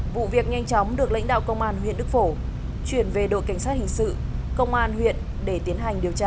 vụ việc nhanh chóng được lãnh đạo công an huyện đức phổ chuyển về đội cảnh sát hình sự công an huyện để tiến hành điều tra